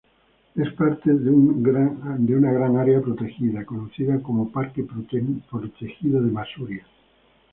Es parte de una gran Área protegida conocida como Parque protegido de Masuria.